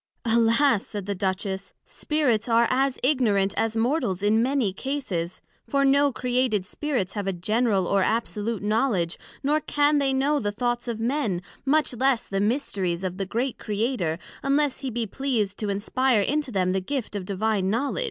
Alas! said the Duchess, Spirits are as ignorant as Mortals in many cases; for no created Spirits have a general or absolute knowledg, nor can they know the Thoughts of Men, much less the Mysteries of the great Creator, unless he be pleased to inspire into them the gift of Divine Knowledg.